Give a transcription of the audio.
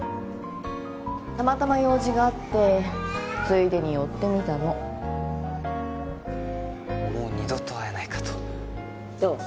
たまたま用事があってついでに寄ってみたのもう二度と会えないかとどう？